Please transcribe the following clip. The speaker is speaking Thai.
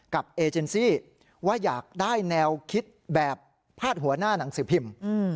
กับเอเจนซี่ว่าอยากได้แนวคิดแบบพาดหัวหน้าหนังสือพิมพ์